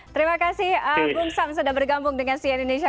terima kasih bung sam sudah bergabung dengan cn indonesia